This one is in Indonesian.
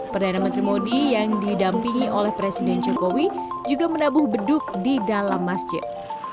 perdana menteri modi yang didampingi oleh presiden jokowi juga menabuh beduk di dalam masjid